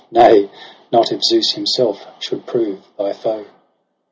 Nay, not if Zeus himself should piove thy foe.'